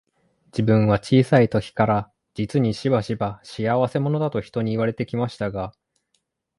自分は小さい時から、実にしばしば、仕合せ者だと人に言われて来ましたが、